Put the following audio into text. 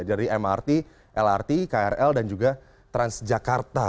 dari mrt lrt krl dan juga transjakarta